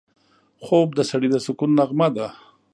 خوب د سړي د سکون نغمه ده